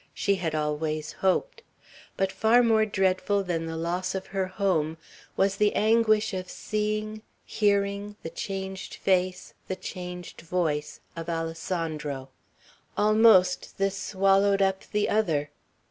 She had always hoped. But far more dreadful than the loss of her home, was the anguish of seeing, hearing, the changed face, changed voice, of Alessandro. Almost this swallowed up the other.